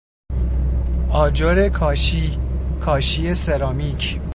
آجر کاشی، کاشی سرامیک